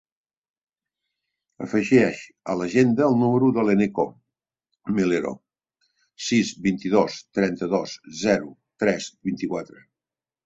Afegeix a l'agenda el número de l'Eneko Melero: sis, vint-i-dos, trenta-dos, zero, tres, vint-i-quatre.